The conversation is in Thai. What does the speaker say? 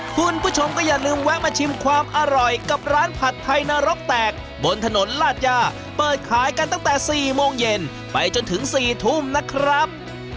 คุณผู้ชมก็อย่าลืมแวะมาชิมความอร่อยกับร้านผัดไทยนรกแตกบนถนนลาดย่าเปิดขายกันตั้งแต่๔โมงเย็นไปจนถึง๔ทุ่มนะครับ